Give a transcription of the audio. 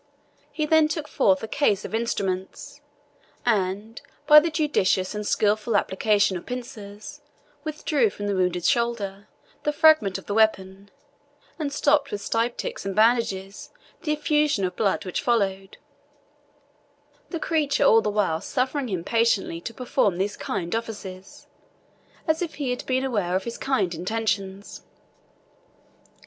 He then took forth a case of instruments, and, by the judicious and skilful application of pincers, withdrew from the wounded shoulder the fragment of the weapon, and stopped with styptics and bandages the effusion of blood which followed; the creature all the while suffering him patiently to perform these kind offices, as if he had been aware of his kind intentions.